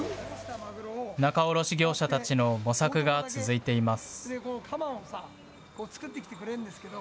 仲卸業者たちの模索が続いています。